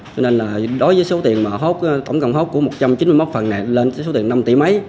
cho nên là đối với số tiền mà hốt tổng cộng hốt của một trăm chín mươi một phần này lên số tiền năm tỷ máy